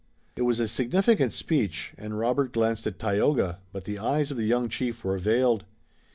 It was a significant speech, and Robert glanced at Tayoga, but the eyes of the young chief were veiled.